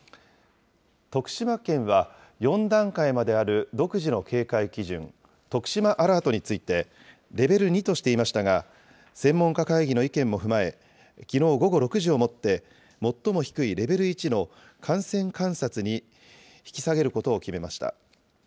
徳島県は、４段階まである独自の警戒基準、とくしまアラートについて、レベル２としていましたが、専門家会議の意見も踏まえ、きのう午後６時をもって最も低いレベル１の感染観察に引き下げることを決めました。